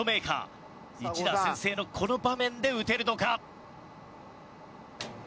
一打先制のこの場面で打てるのか？